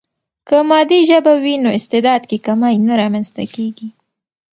که مادي ژبه وي، نو استعداد کې کمی نه رامنځته کیږي.